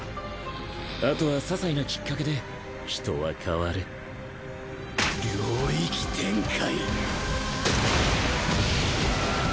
あとは些細なきっかけで人は変わる領域展開。